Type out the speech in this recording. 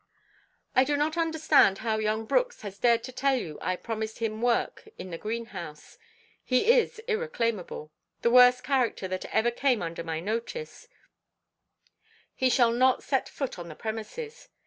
"I do not understand how young Brooks has dared to tell you I promised him work in the greenhouse. He is irreclaimable; the worst character that ever came under my notice; he shall not set foot on the premises.